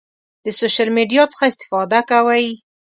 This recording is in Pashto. د سوشل میډیا څخه استفاده کوئ؟